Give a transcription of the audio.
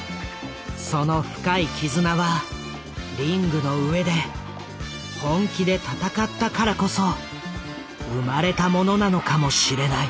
その深い絆はリングの上で本気で戦ったからこそ生まれたものなのかもしれない。